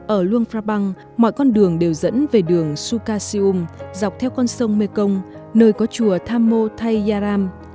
ở luang prabang mọi con đường đều dẫn về đường sukhasium dọc theo con sông mekong nơi có chùa thammo thayyaram